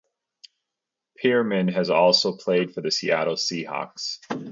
Pearman has also played for the Seattle Seahawks.